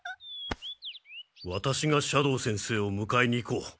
ワタシが斜堂先生をむかえに行こう。